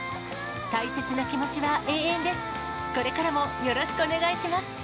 大切な気持ちは永遠です。